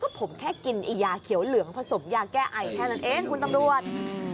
ผมแค่กินไอ้ยาเขียวเหลืองผสมยาแก้ไอแค่นั้นเองคุณตำรวจ